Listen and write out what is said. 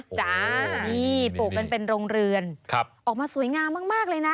จ้านี่ปลูกกันเป็นโรงเรือนออกมาสวยงามมากเลยนะ